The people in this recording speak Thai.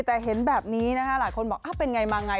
แต่เห็นแบบนี้หลายคนบอกเป็นอย่างไรมาอย่างไร